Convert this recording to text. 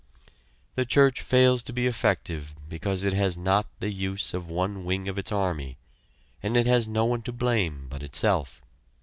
The church fails to be effective because it has not the use of one wing of its army, and it has no one to blame but itself.